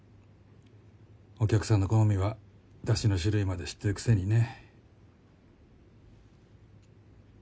お客さんの好みはだしの種類まで知ってるくせにね。